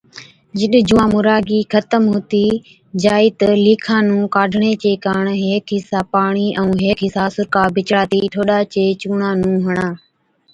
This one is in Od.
جِڏ جُوئان مُراگِي ختم هُتِي جائِي تہ لِيکان نُون ڪاڍڻي چي ڪاڻ هيڪ حِصا پاڻِي ائُون هيڪ حِصا سُرڪا بِچڙاتِي ٺوڏا چي چُونڻان نُون هڻا۔